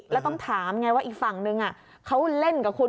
แล้วต้องถามไงว่าอีกฝั่งนึงเขาเล่นกับคุณ